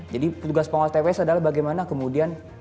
jadi tugas pengawas tps adalah bagaimana kemudian